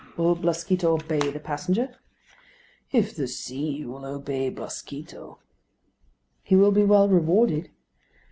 "Will Blasquito obey the passenger?" "If the sea will obey Blasquito." "He will be well rewarded."